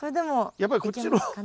やっぱりこっちの。